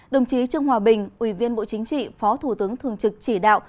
đồng chí trương hòa bình ủy viên bộ chính trị phó thủ tướng thường trực chỉ đạo